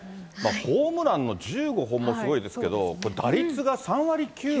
ホームランの１５本もすごいですけど、これ、打率が３割９分？